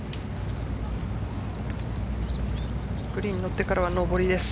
グリーンに乗ってからは上りです。